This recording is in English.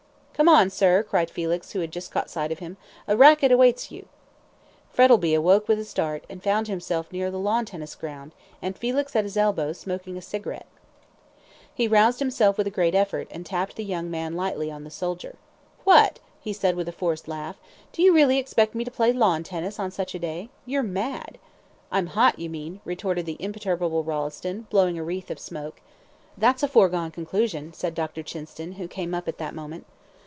"Come on, sir," cried Felix, who had just caught sight of him, "a racket awaits you." Frettlby awoke with a start, and found himself near the lawn tennis ground, and Felix at his elbow, smoking a cigarette. He roused himself with a great effort, and tapped the young man lightly on the shoulder. "What?" he said with a forced laugh, "do you really expect me to play lawn tennis on such a day? You are mad." "I am hot, you mean," retorted the imperturbable Rolleston, blowing a wreath of smoke. "That's a foregone conclusion," said Dr. Chinston, who came up at that moment.